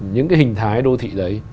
những cái hình thái đô thị đấy